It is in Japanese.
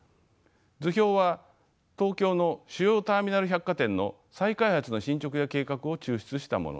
図表は東京の主要ターミナル百貨店の再開発の進捗や計画を抽出したものです。